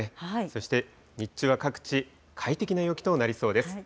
そして日中は各地、快適な陽気となりそうです。